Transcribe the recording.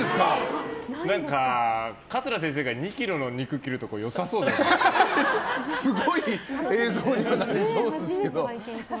何か桂先生が２ｋｇの肉切るところすごい映像になりそうですけど。